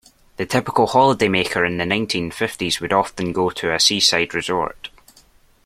The typical holidaymaker in the nineteen-fifties would often go to a seaside resort